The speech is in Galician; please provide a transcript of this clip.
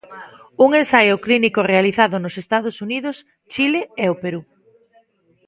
Un ensaio clínico realizado nos Estados Unidos, Chile e o Perú.